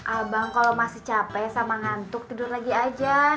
abang kalau masih capek sama ngantuk tidur lagi aja